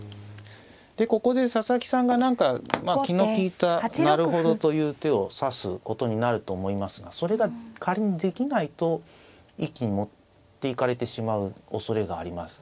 でここで佐々木さんが何か気の利いたなるほどという手を指すことになると思いますがそれが仮にできないと一気に持っていかれてしまうおそれがあります。